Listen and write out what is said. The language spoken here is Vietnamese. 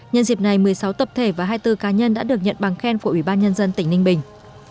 nhân dịp này một mươi sáu tập thể và hai mươi bốn cá nhân đã được nhận bằng khen của ubnd tỉnh ninh bình